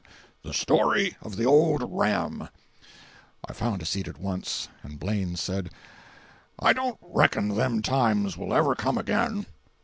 384.jpg (53K) THE STORY OF THE OLD RAM. I found a seat at once, and Blaine said: 'I don't reckon them times will ever come again.